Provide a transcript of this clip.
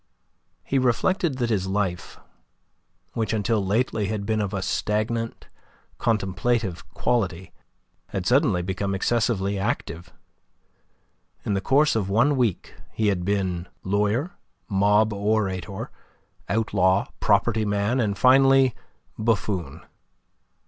He reflected that his life, which until lately had been of a stagnant, contemplative quality, had suddenly become excessively active. In the course of one week he had been lawyer, mob orator, outlaw, property man, and finally buffoon.